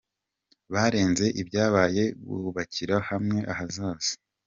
Barenze ibyabaye bubakira hamwe ahazaza